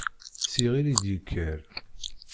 S yiɣil i d-yekker.